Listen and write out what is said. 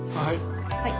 はい。